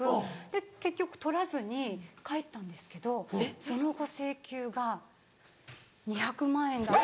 で結局取らずに帰ったんですけどその後請求が２００万円だった。